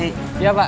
iya pak ada nih pak